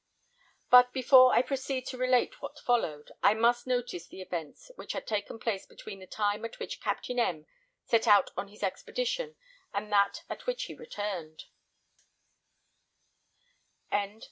But before I proceed to relate what followed, I must notice the events which had taken place between the time at which Captain M set out on his expedition and that at which he returned.